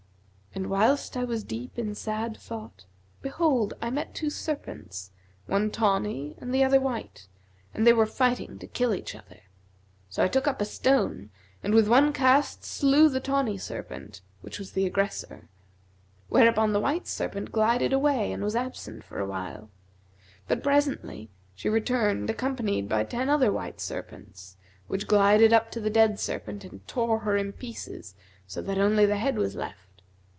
And whilst I was deep in sad thought behold, I met two serpents, one tawny and the other white, and they were fighting to kill each other. So I took up a stone and with one cast slew the tawny serpent, which was the aggressor; whereupon the white serpent glided away and was absent for a while, but presently she returned accompanied by ten other white serpents which glided up to the dead serpent and tore her in pieces, so that only the head was left.